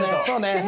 そうね。